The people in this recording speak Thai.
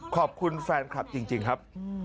ขอบคุณแฟนคลับจริงครับ